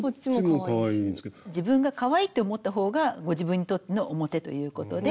自分がかわいいと思った方がご自分にとっての表ということで。